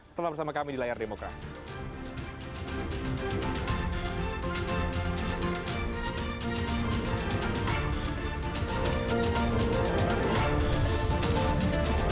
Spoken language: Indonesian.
tetaplah bersama kami di layar demokrasi